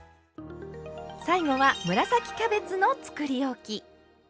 最後は紫キャベツのつくりおき。